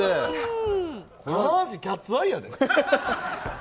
下半身、キャッツアイやで。